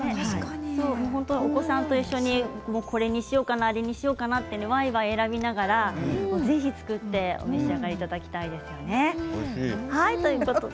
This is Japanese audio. お子さんと一緒にあれにしようかなって選びながら、ぜひ作ってお召し上がりいただきたいですね。